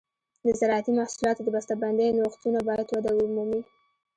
د زراعتي محصولاتو د بسته بندۍ نوښتونه باید وده ومومي.